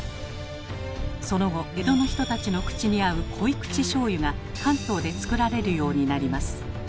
その後江戸の人たちの口にあう濃い口しょうゆが関東で造られるようになります。